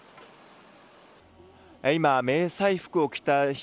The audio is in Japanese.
今、迷彩服を着た人。